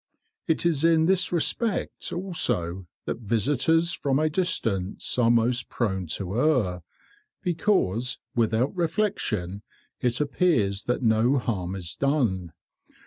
It is in this respect also that visitors from a distance are most prone to err, because, without reflection, it appears that no harm is done.